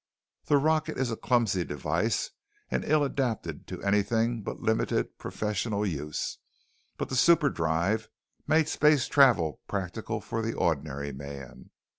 "The rocket is a clumsy device and ill adapted to anything but limited, professional use. But the superdrive made space travel practical for the ordinary man.